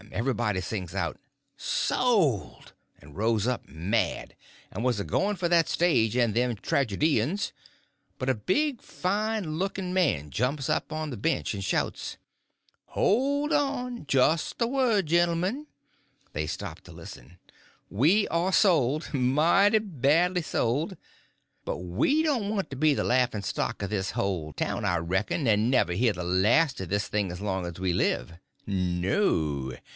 Everybody sings out, "Sold!" and rose up mad, and was a going for that stage and them tragedians. But a big, fine looking man jumps up on a bench and shouts: "Hold on! Just a word, gentlemen." They stopped to listen. "We are sold—mighty badly sold. But we don't want to be the laughing stock of this whole town, I reckon, and never hear the last of this thing as long as we live. No.